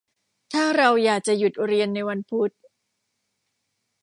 ถ้าเราอยากจะหยุดเรียนในวันพุธ